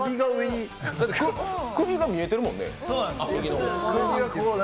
首が見えてるもんね。